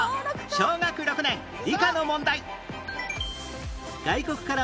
小学６年理科の問題